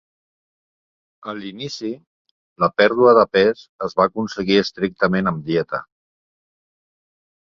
A l'inici, la pèrdua de pes es va aconseguir estrictament amb dieta.